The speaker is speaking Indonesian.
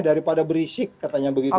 daripada berisik katanya begitu